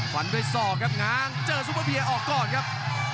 วรรดิส่องครับงั้งเจอซุปเปอร์เบียร์ออกก่อนครับ